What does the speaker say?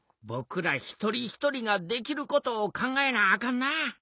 ぼくら一人一人ができることを考えなあかんな。